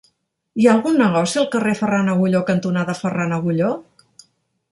Hi ha algun negoci al carrer Ferran Agulló cantonada Ferran Agulló?